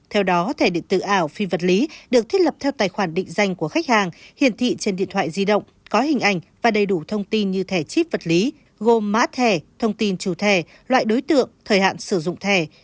theo đó thẻ điện tử ảo phi vật lý được thiết lập theo tài khoản định danh của khách hàng hiển thị trên điện thoại di động có hình ảnh và đầy đủ thông tin như thẻ chip vật lý gồm mã thẻ thông tin chủ thẻ loại đối tượng thời hạn sử dụng thẻ